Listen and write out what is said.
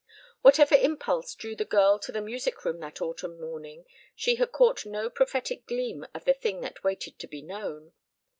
Whatever impulse drew the girl to the music room that autumn morning, she had caught no prophetic gleam of the thing that waited to be known.